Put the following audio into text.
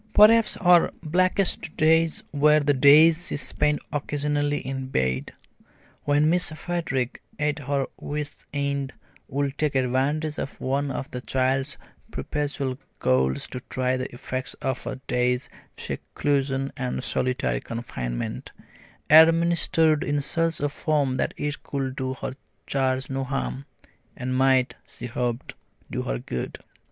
Perhaps her blackest days were the days she spent occasionally in bed, when Miss Frederick, at her wit's end, would take advantage of one of the child's perpetual colds to try the effects of a day's seclusion and solitary confinement, administered in such a form that it could do her charge no harm, and might, she hoped, do her good.